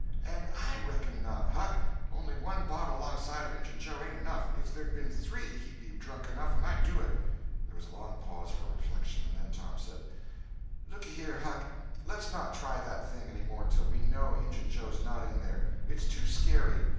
"And I reckon not, Huck. Only one bottle alongside of Injun Joe ain't enough. If there'd been three, he'd be drunk enough and I'd do it." There was a long pause for reflection, and then Tom said: "Lookyhere, Huck, less not try that thing any more till we know Injun Joe's not in there. It's too scary.